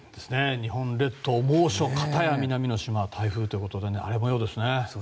日本列島、猛暑方や南の島は台風ということで荒れ模様ですね。